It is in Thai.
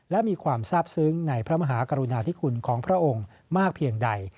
และมีความทราบซึ้งในพระมหากรุณาธิคุณของพระองค์มากเพียงใด